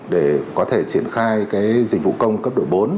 để có thể triển khai dịch vụ công cấp độ bốn